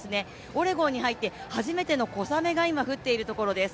オレゴンに入って初めての小雨が今、降っているところです。